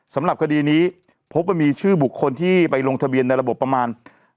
สำหรับคดีนี้พบว่ามีชื่อบุคคลที่ไปลงทะเบียนในระบบประมาณ